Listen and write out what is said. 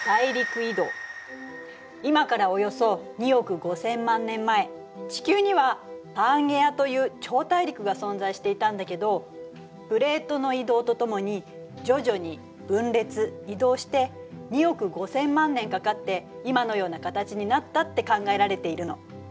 今からおよそ２億５，０００万年前地球には「パンゲア」という超大陸が存在していたんだけどプレートの移動とともに徐々に分裂・移動して２億５，０００万年かかって今のような形になったって考えられているの。